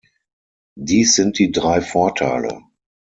Dies sind die drei Vorteile.